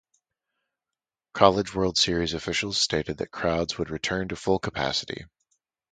College World Series officials stated that crowds would return to full capacity.